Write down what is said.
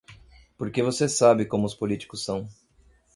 Porque você sabe como os políticos são.